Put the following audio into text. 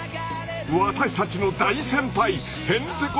私たちの大先輩へんてこ